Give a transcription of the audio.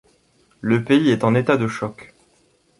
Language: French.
Le pays est en état de choc.